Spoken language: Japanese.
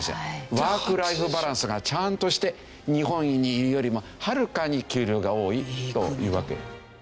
ワーク・ライフ・バランスがちゃんとして日本にいるよりもはるかに給料が多いというわけ。